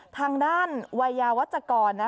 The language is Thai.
ทางด้านไวยาวัฏ่กร